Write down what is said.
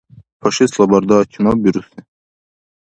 Фашистла барда чинаб бируси?